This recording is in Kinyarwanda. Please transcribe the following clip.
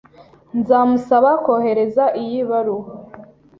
Nzamusaba kohereza iyi baruwa?